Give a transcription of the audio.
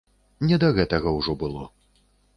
Не да гэтага ўжо было.